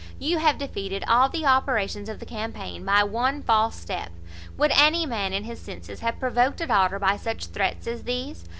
You have defeated all the operations of the campaign by one false step. Would any man in his senses have provoked a daughter by such threats as these?